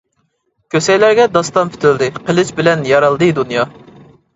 كۆسەيلەرگە داستان پۈتۈلدى، قىلىچ بىلەن يارالدى دۇنيا.